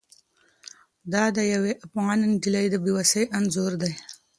دا د یوې افغانې نجلۍ د بې وسۍ یو انځور دی.